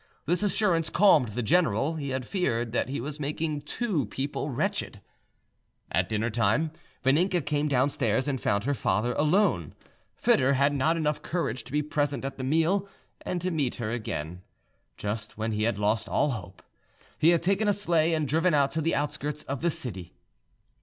This assurance calmed the general: he had feared that he was making two people wretched. At dinner time Vaninka came downstairs and found her father alone. Foedor had not enough courage to be present at the meal and to meet her again, just when he had lost all hope: he had taken a sleigh, and driven out to the outskirts of the city.